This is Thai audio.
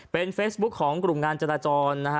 เป็นเฟซบุ๊คของกลุ่มงานจราจรนะฮะ